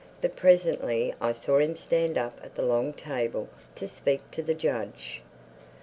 But presently I saw him stand up at the long table to speak to the judge.